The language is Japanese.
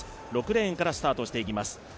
６レーンからスタートしていきます